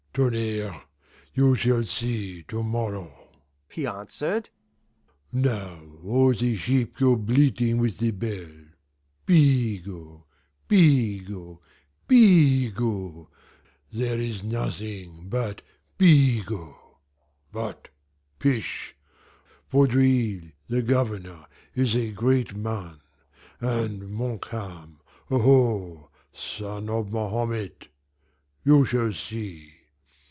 "Tonnerre, you shall see to morrow," he answered; "now all the sheep go bleating with the bell. Bigot Bigot Bigot there is nothing but Bigot! But, pish! Vaudreuil the Governor is the great man, and Montcalm, aho! son of Mahomet! You shall see.